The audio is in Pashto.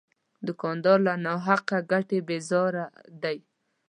دوکاندار له ناحقه ګټې بیزاره دی.